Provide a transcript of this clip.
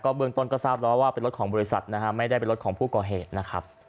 เบื้องต้นก็ทราบแล้วว่าเป็นรถของบริษัทนะฮะไม่ได้เป็นรถของผู้ก่อเหตุนะครับ